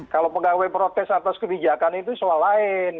kalau pegawai protes atas kebijakan itu soal lain